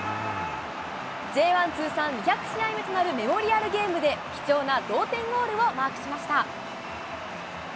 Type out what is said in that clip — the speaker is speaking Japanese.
Ｊ１通算２００試合目となるメモリアルゲームで貴重な同点ゴールをマークしました。